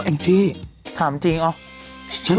เองดีที่ถามจริงเหรอ